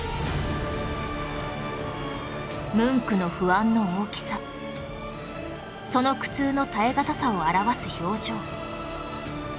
ムンクの不安の大きさその苦痛の耐え難さを表す表情